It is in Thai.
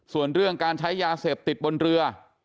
ส่วนเรื่องการใช้ยาเสพติดบนเรือ